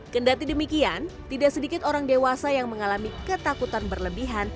kendati demikian tidak sedikit orang dewasa yang mengalami ketakutan berlebihan